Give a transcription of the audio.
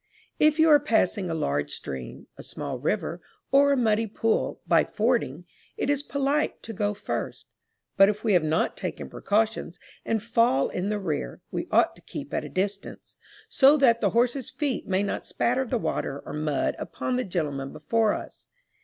If you are passing a large stream, a small river, or a muddy pool, by fording, it is polite to go first; but if we have not taken precautions, and fall in the rear, we ought to keep at a distance, so that the horse's feet may not spatter the water or mud upon the gentleman before us.